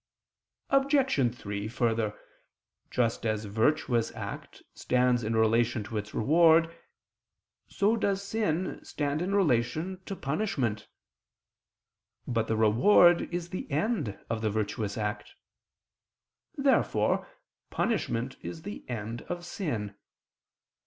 Obj. 3: Further, just as a virtuous act stands in relation to its reward, so does sin stand in relation to punishment. But the reward is the end of the virtuous act. Therefore punishment is the end of sin.